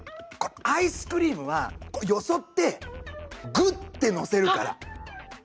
アイスクリームはよそってグッてのせるから。